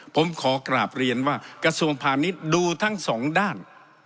ผมขอกราบเรียนว่ากระทรวงพาณิชย์ดูทั้งสองด้าน